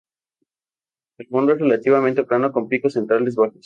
El fondo es relativamente plano con picos centrales bajos.